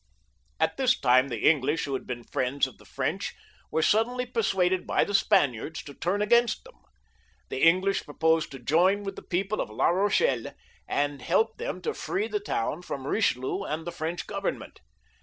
At this time the English, who had been friends of the French, were suddenly persuaded by the Spaniards to turn against thenu The English proposed to join with the people of La Eochelle, and help them to free the town from Bichelieu and the French Government.